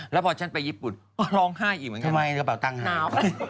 แล้วพอฉันไปญี่ปุ่นร้องไห้อีกเหมือนกันไหมกระเป๋าตังค์